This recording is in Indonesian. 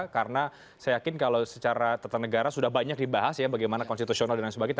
karena saya yakin kalau secara tetap negara sudah banyak dibahas ya bagaimana konstitusional dan sebagainya